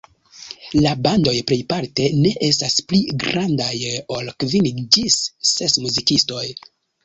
La bandoj plejparte ne estas pli grandaj ol kvin ĝis ses muzikistoj.